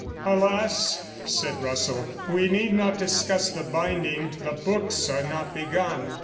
'Alas !' said Russell, 'we need not discuss the binding the books are not begun.'